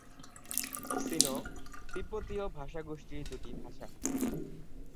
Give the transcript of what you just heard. সিনো-তিব্বতীয় ভাষাগোষ্ঠীর দুটি ভাষা।